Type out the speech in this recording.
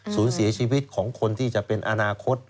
สูญเสียชีวิตของคนที่จะเป็นอนาคต